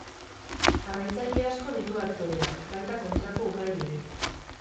Jarraitzaile asko ditu aktoreak, baita kontrako ugari ere.